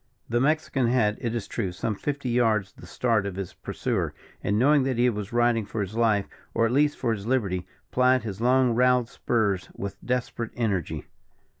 The Mexican had, it is true, some fifty yards the start of his pursuer, and knowing that he was riding for his life, or at least for his liberty, plied his long roweled spurs with desperate energy.